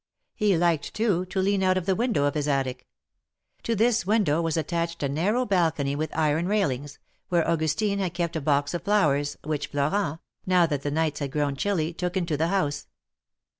He liked, too, to Jean out of the window of his attic. To this window was attached a narrow balcony with iron rail ings, where Augustine had kept a box of flowers, which Florent, now that the nights had grown chilly, took into the house.